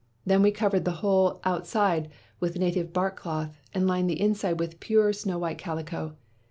Then we cov ered the whole outside with native bark cloth, and lined the inside with pure snow white calico.